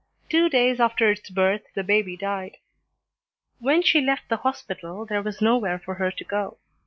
Two days after its birth the baby died. When she left the hospital there was nowhere for her to go.